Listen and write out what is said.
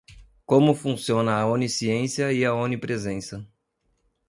Como funciona a onisciência e a onipresença